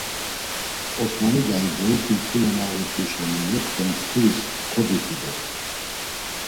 Osmani dayi boyiti mǩule na uğurt̆u şeni yekte mturis kodixu dort̆u.